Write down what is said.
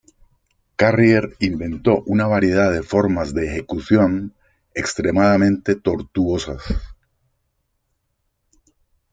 Carrier inventó una variedad de formas de ejecución extremadamente tortuosas.